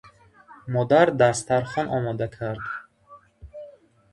Модар дастархон омода кард.